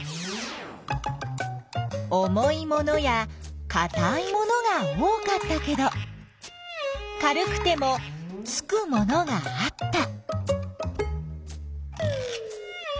重いものやかたいものが多かったけど軽くてもつくものがあった。